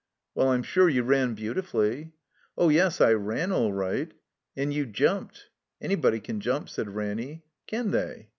"Well, I'm sure you ran beautifully." "Oh, yes, I raw all right." ' 'And you jumped !"^ "Anybody can jump," said Ranny. "Can they?"